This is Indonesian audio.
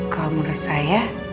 kalau menurut saya